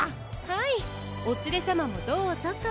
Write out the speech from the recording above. はいおつれさまもどうぞと。